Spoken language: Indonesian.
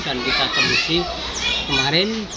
dan kita tembusi kemarin